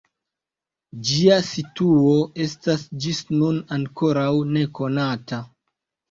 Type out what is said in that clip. Ĝia situo estas ĝis nun ankoraŭ nekonata.